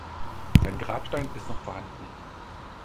Sein Grabstein ist noch vorhanden.